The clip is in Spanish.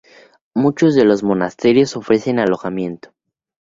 Muchos de los monasterios ofrecen alojamiento.